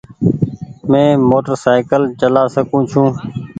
مينٚ موٽرسئيڪل چآلا سڪوُن ڇوٚنٚ